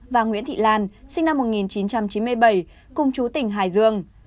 và nguyễn thị lan sinh năm một nghìn chín trăm chín mươi bảy cùng chú tỉnh hải dương